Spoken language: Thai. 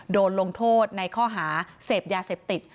โดนลงโทษในข้อหาเสพยาเสพติด